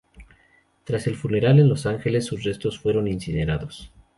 Tras el funeral en Los Ángeles, sus restos fueron incinerados.